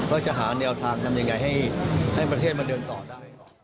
ว่าจะหาแนวทางทำยังไงให้ประเทศมาเดินต่อได้